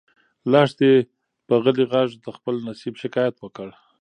لښتې په غلي غږ د خپل نصیب شکایت وکړ.